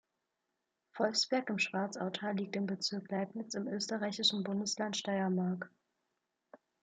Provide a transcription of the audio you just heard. Wolfsberg im Schwarzautal liegt im Bezirk Leibnitz im österreichischen Bundesland Steiermark.